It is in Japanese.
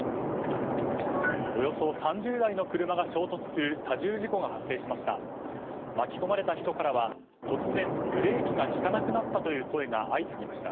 およそ３０台の車が衝突する多重事故が発生しました。